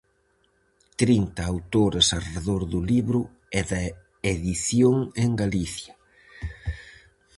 Trinta autores arredor do libro e da edición en Galicia.